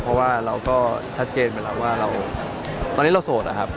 เพราะว่าเราก็ชัดเจนไปตอนนี้เรามีใส่โสด